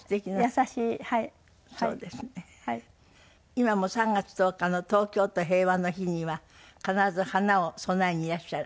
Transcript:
今も３月１０日の東京都平和の日には必ず花を供えにいらっしゃる？